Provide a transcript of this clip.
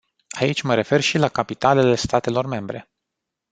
Aici mă refer și la capitalele statelor membre.